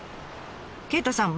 鯨太さん